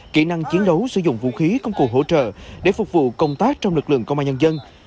kỹ năng chiến đấu sử dụng vũ khí công cụ hỗ trợ để phục vụ công tác trong lực lượng công an nhân dân